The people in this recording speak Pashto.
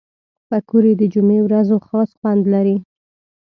پکورې د جمعې ورځو خاص خوند لري